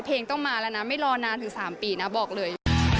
เพลงต้องมาแล้วนะไม่รอนานถึง๓ปีนะบอกเลย